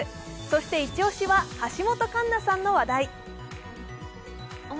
そして一押しは橋本環奈さんの話題。